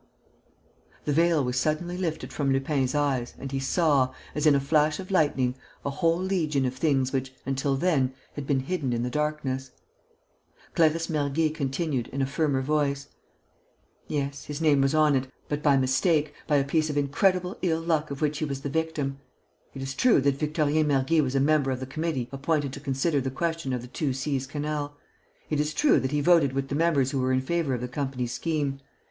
The veil was suddenly lifted from Lupin's eyes and he saw, as in a flash of lightning, a whole legion of things which, until then, had been hidden in the darkness. Clarisse Mergy continued, in a firmer voice: "Yes, his name was on it, but by mistake, by a piece of incredible ill luck of which he was the victim. It is true that Victorien Mergy was a member of the committee appointed to consider the question of the Two Seas Canal. It is true that he voted with the members who were in favour of the company's scheme.